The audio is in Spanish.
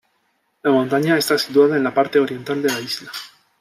La montaña está situada en la parte oriental de la isla.